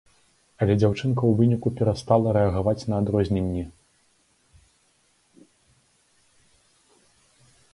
Але дзяўчынка ў выніку перастала рэагаваць на адрозненні.